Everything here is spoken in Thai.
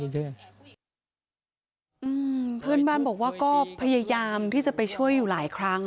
เพื่อนบ้านบอกว่าก็พยายามที่จะไปช่วยอยู่หลายครั้ง